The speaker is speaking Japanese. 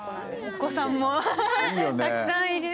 お子さんもたくさんいる。